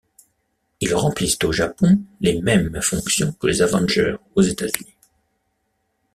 Ils remplissent au Japon les mêmes fonctions que les Avengers aux États-Unis.